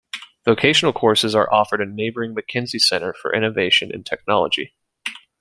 Vocational courses are offered in neighboring McKenzie Center for Innovation and Technology.